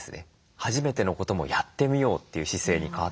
初めてのこともやってみようという姿勢に変わったそうなんですね。